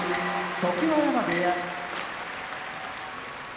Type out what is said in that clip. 常盤山部屋